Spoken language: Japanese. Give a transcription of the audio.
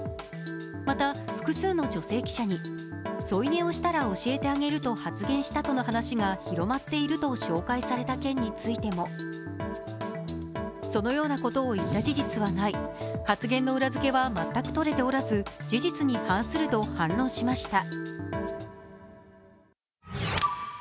また複数の女性記者に添い寝をしたら教えてあげると発言したとの話が広まっていると紹介された件についても、そのようなことを言った事実はない、発言の裏付けは全くとれておらず、事実に反すると反論しました。